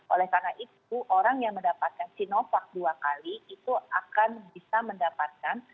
oleh karena itu orang yang mendapatkan sinovac dua kali itu akan bisa mendapatkan